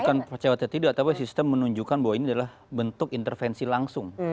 bukan percaya atau tidak tapi sistem menunjukkan bahwa ini adalah bentuk intervensi langsung